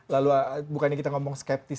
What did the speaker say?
lalu bukannya kita ngomong skeptis